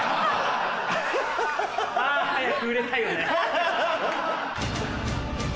あ早く売れたいわね。